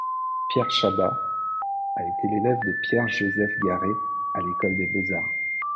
Pierre Chabat a été l'élève de Pierre-Joseph Garrez à l'école des beaux-arts.